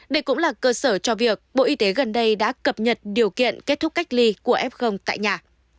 đây cũng là cơ sở cho việc bộ y tế gần đây đã cập nhật điều kiện kết thúc cách ly của f tại nhà